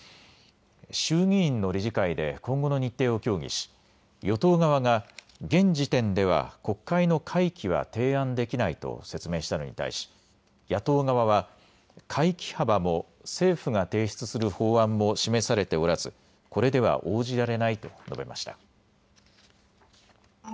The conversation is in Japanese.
衆議院の理事会で今後の日程を協議し、与党側が現時点では国会の会期は提案できないと説明したのに対し野党側は会期幅も政府が提出する法案も示されておらずこれでは応じられないと述べました。